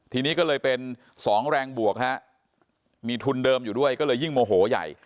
ทีนี้ก็เลยเป็นสองแรงบวกฮะมีทุนเดิมอยู่ด้วยก็เลยยิ่งโมโหใหญ่